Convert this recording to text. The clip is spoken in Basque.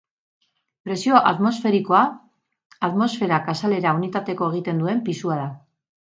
Presio atmosferikoa, atmosferak azalera unitateko egiten duen pisua da.